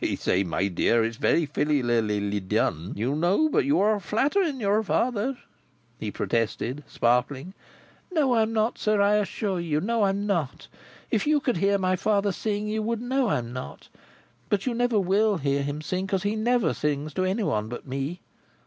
"I say! My dear! It's very fillyillially done, you know; but you are flattering your father," he protested, sparkling. "No I am not, sir, I assure you. No I am not. If you could hear my father sing, you would know I am not. But you never will hear him sing, because he never sings to any one but me.